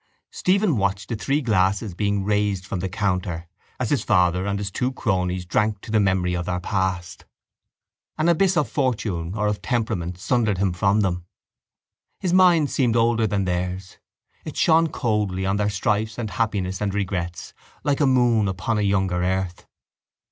Stephen watched the three glasses being raised from the counter as his father and his two cronies drank to the memory of their past. An abyss of fortune or of temperament sundered him from them. His mind seemed older than theirs: it shone coldly on their strifes and happiness and regrets like a moon upon a younger earth.